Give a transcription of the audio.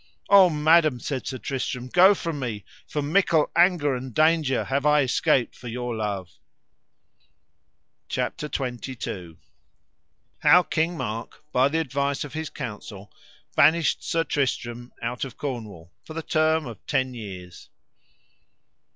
O Madam, said Sir Tristram, go from me, for mickle anger and danger have I escaped for your love. CHAPTER XXI. How King Mark, by the advice of his council, banished Sir Tristram out of Cornwall the term of ten years.